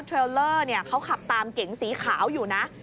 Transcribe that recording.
เทรลเลอร์เขาขับตามเก๋งสีขาวอยู่นะ